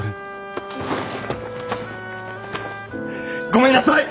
ごめんなさい！